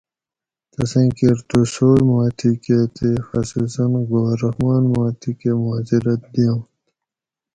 تسیں کیر تھوں سوئ ما تھی کہ تے خصوصاً گوھر رحمان ما تھی کہ معذرت دیانت